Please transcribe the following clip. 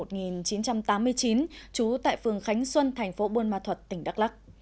trú tại phường khánh xuân thành phố buôn ma thuật tỉnh đắk lắc